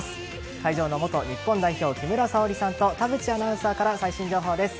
会場の元日本代表・木村沙織さんと田淵アナウンサーから最新情報です。